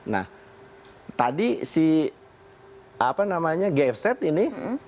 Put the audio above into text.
nah tadi si apa namanya gfz ini